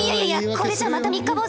これじゃまた三日坊主！